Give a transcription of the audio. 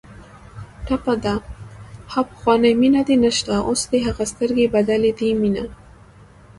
ټپه ده: ها پخوانۍ مینه دې نشته اوس دې هغه سترګې بدلې دي مینه